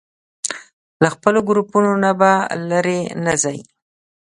له خپلو ګروپونو نه به لرې نه ځئ.